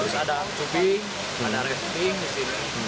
terus ada tubing ada resting di sini